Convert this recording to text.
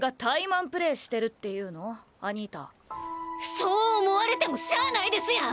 そう思われてもしゃあないですやん！